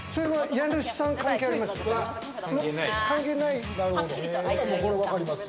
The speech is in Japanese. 家主さん、関係あります？